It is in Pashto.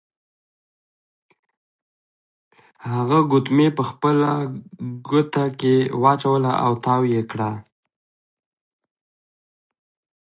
هغه ګوتمۍ په خپله ګوته کې واچوله او تاو یې کړه.